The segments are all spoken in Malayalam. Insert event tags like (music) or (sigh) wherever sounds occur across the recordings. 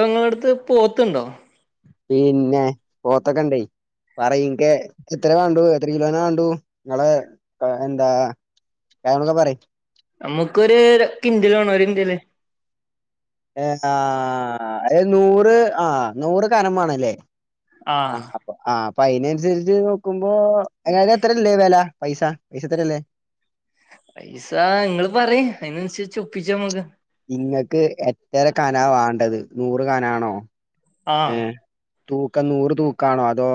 നിങ്ങളെടുത്ത് പോത്ത്ണ്ടോ പിന്നെ പോത്തൊക്കെ ഇണ്ടേ പറയ് ങ്ങക്ക് എത്ര വേണ്ടു എത്ര കിലോനാ വേണ്ടു നിങ്ങള് പേരെന്താ കണൊക്കെ പറയ് നമ്മുക്കൊര് ര കിന്റല് വെണോര് ഒരു കിന്റല് അ ആഹ് അ നൂറ് ആഹ് നൂറ് കനം വെണെല്ലേ ആഹ് ആഹ് അപ്പ അയിനൻസരിച്ച് നോക്കുമ്പോ എങ്ങനെ എത്രല്ലേ വെല പൈസ പൈസ എത്രല്ലേ പൈസ ഇങ്ങള് പറയ് അയിനൻസരിച്ച് ഒപ്പിച്ചാമ്മക്ക് ഇങ്ങക്ക് എത്ര കനാ വേണ്ടത് നൂറ് കനാണോ ആഹ് ഏഹ് തൂക്കം നൂറ് തൂക്കാണോ അതോ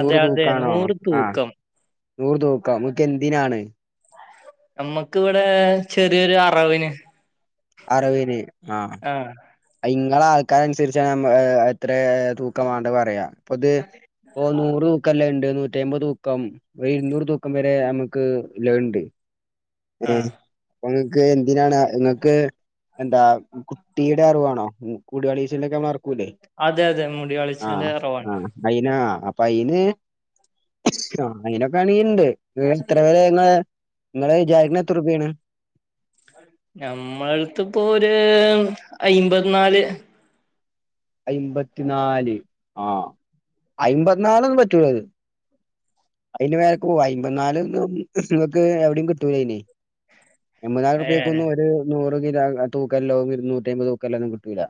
അതെ അതെ തൂക്കാണോ നൂറ് ആഹ് തൂക്കം നൂറ് തൂക്കം നിങ്ങക്ക് എന്തിനാണ് അമ്മക്ക് ഇവിടെ ചെറിയൊര് അറവിന് അറൂവിന് ആഹ് ആഹ് ഇങ്ങളെ ആൾക്കാര് അനുസരിച്ച എത്ര തൂക്കമാണ്ടത് പറയാ ഇപ്പൊ ഇത് ഓ നൂറ് തൂക്കല്ല ഉണ്ട് നൂറ്റിമ്പത് തൂക്കം ഒരു ഇരുന്നൂറ് തൂക്കം വരെ നമുക്ക് ല്ലത് ഉണ്ട് ഏഹ് ആഹ് അപ്പ നിങ്ങക്ക് എന്തിനാണ് നിങ്ങക്ക് എന്താ കുട്ടിയുടെ അറുവാണോ മുടി കളയീച്ചിലൊക്കെ മ്മള് അറുക്ക്- അതെ അതെ മുടി കളിച്ചിലിന്റെ അറുവാണ് ആഹ് അയിനാ അപ്പൊ അയിന് ആ അയിനൊക്കെ ഏണങ്കിൽ ഉണ്ട് നി എത്ര വേരെ ങ്ങള് നിങ്ങള് വിചാരിക്കുന്നത് എത്ര റുപ്യ ആണ് നമ്മളടുത്ത്പ്പോ ഒര് അയിമ്പത്തി നാല് അയ്മ്പത്തിനാല് ആ അയ്മ്പത്തി നാല്ന്ന് പറ്റൂലത് അതിന് മേലേക്ക് പോവോ അമ്പത് നാല് നിങ്ങക്ക് എവിടെയും കിട്ടൂല അയ്ന് എൺമ്പതിനായിരം ഏഹ് റുപ്പേക്കൊന്നും ഒരു നൂറ് കിലോ തൂക്കല്ലോ ഇര്നൂറ്റി അമ്പത് തൂക്കല്ലോ ഒന്നും കിട്ടൂല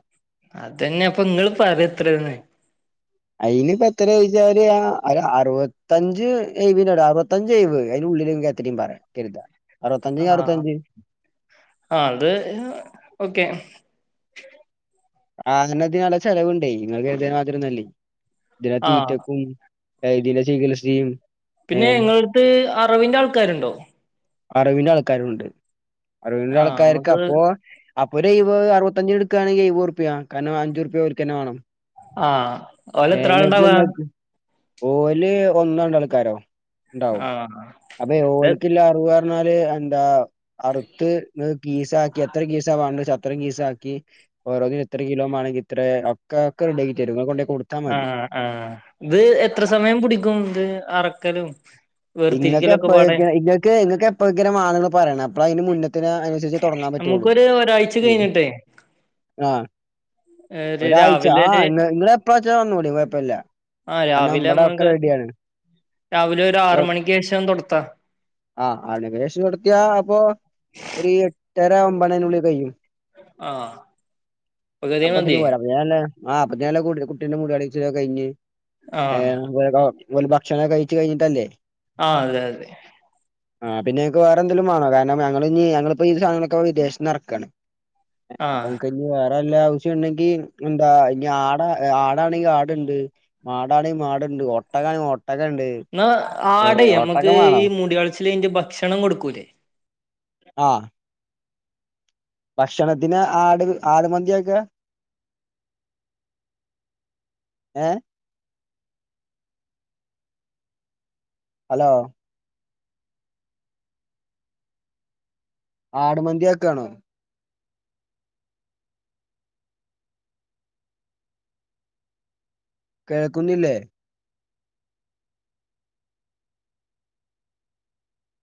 അതന്നെ അപ്പൊ നിങ്ങള് പറയ് എത്രന്ന് അയില് പത്രേ ചോയ്ച്ചാൽ അറുപത്തഞ്ച് എ അറുപ- സഞ്ചൈവ് അയ്ന്റെ ഉള്ളില് എത്രി പറയാം കര്ത ആഹ് ആത് ഓക്കെ ആഹ് അങ്ങനെ തിനല്ല ചെലവുണ്ടേ ങ്ങൾ കര്ത്ണ മാതിരിന്നല്ലേ ഇതിന് ആഹ് തീറ്റക്കും (unintelligible) ചികിത്സയും പിന്നെ ഏഹ് ങ്ങളടുത്ത് അറവിന്റെ ആൾക്കാരുണ്ടോ അറവിന്റെ ആൾക്കാരുണ്ട് അറിവിന്റെ ആഹ് നമ്മക്ക് ആൾക്കാർക്കപ്പോ അപ്പൊ ഒരു എഴുവഹ് അറുപത്തിഞ്ചിന് എടുക്കാണെങ്കി എഴുവഹ്ർപ്യ കാരണം അഞ്ചുർപ്യ ഓൽക്കന്നെ വേണം ആഹ് ഓല് ഏഹ് എത്ര ഇങ്ങക്ക് ആൾണ്ടാവ ഇങ്ങക്ക് ഓല് ഒന്നോ രണ്ടോ ആൾക്കാരോ ണ്ടാവും ആഹ് അപ്പൊ ഇത് ഓൽക്ക് പോവാർഞ്ഞാല് എന്താ അറുത്ത് നി കീസ് ആക്കി എത്ര കീസാ വാണ്ടേച്ച അത്ര കീസ് ആക്കി ഓരോന്നിനും എത്ര കിലോമാേണെങ്കി ഇത്ര ഒക്കെ ഒക്കെ റെഡി ആക്കി തരും നിങ്ങൾ കൊണ്ടയ് കൊടു ആഹ് ആഹ് ഇത് എത്ര സമയം പിടിക്കും ഇത് അറ്ക്കലും ഇങ്ങക്ക് എപ്പഴൊക്കെ ഇങ്ങക്ക് ഇങ്ങക്ക് എപ്പഴൊക്കേണ് മാണന്ന് പറയ്ണെ അപ്പളെ ഐൻ്റെ മുന്നെ ത്തിനാ അയ്നസരിച്ച് തുടങ്ങാൻ പറ്റുള്ളൂ നമുക്കൊരു ഒരാഴ്ച ഉം കഴിഞ്ഞിട്ടേ ആഹ് ഒരു ഒരാഴ്ച രാവിലെ ഒരു ആഹ് ഇങ്ങള എപ്പഴാച്ചാ വന്നൂളീം കുഴപ്പല്ല ആഹ് കാരണം രാവിലെ ഇവിടെ ഒക്കെ നമ്മക്ക് റെഡിയാണ് രാവിലെ ഒരു ആറ് മണിക്ക് ശേഷം തൊടത്താ ആ ആറണിക്ക് ശേഷം ഇവിടെ എത്തിയ അപ്പൊ ഒരു എ ട്ടര ഒമ്പണിന്റെ ഉള്ളിൽ കയ്യും ആഹ് പകുതി മതി ല്ലേ ആഹ് അപ്പോത്തിനും ഞല്ല കുട്ടിന്റെ മുടിയ്ൾച്ചിലൊക്കെ കഴിഞ്ഞ് ആഹ് ഏഹ് വെടോ ഓല് ഭക്ഷണം കഴിച്ച് കഴിഞ്ഞിട്ടല്ലേ ആഹ് അതെ അതെ ആഹ് പിന്നെ ങ്ങക്ക് വേറെന്തലും വേണോ കാരണം ഞങ്ങളിഞ്ഞി ഞങ്ങളിപ്പോ ഈ സാനങ്ങക്കെ വിദേശത്തു നിന്ന് ഇറക്കാണ് ആഹ് അപ്പങക്ക് ഇനി വേറെ എല്ലാ ആവശ്യണ്ടെങ്കി എന്താ ഇനി ആടാ ആടാണെങ്കി ആടുണ്ട് മാടാണെങ്കി മാട്ണ്ട് ഒട്ടകാണെങ്കി ഒട്ടകണ്ട് ന്നാ ഏ ആട് യമ്മക്ക് ഒട്ടകം വേണോ ഈ മുട്യാൾച്ചിലയ്ഞ്ഞിട്ട് ഭക്ഷണം കൊടുക്കൂലേ ആഹ് ഭക്ഷണത്തിന് ആട് ആട് മന്തിയാക്ക ഏഹ് ഹലോ ആടുമന്തി യാക്കാണോ കേക്കുന്നില്ലേ